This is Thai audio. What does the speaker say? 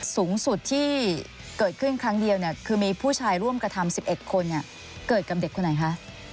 สูงสุดที่เกิดขึ้นครั้งเดียวคือมีผู้ชายร่วมกระทำ๑๑คนเกิดกับเด็กคนไหนคะ